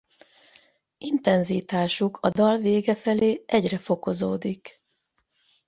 Intenzitásuk a dal vége felé egyre fokozódik.